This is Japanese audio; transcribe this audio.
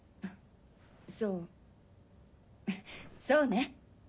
そうそうね。